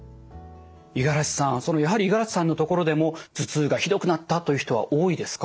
五十嵐さんやはり五十嵐さんのところでも頭痛がひどくなったという人は多いですか？